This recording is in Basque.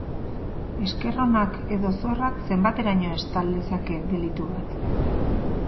Esker onak edo zorrak zenbateraino estal dezake delitu bat?